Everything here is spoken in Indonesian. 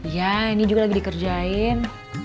ya ini juga lagi dikerjain